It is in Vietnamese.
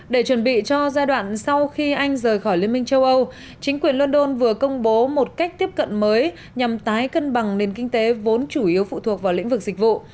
để chuẩn bị cho giai đoạn sau khi anh rời khỏi liên minh châu âu chính quyền london vừa công bố một cách tiếp cận mới nhằm tái cân bằng nền kinh tế vốn chủ yếu phụ thuộc vào lĩnh vực dịch vụ